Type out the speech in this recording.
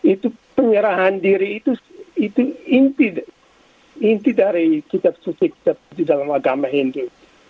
itu penyerahan diri itu inti dari kitab susik dalam agama hindu